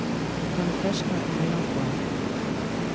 Confession of a Man of Wealth.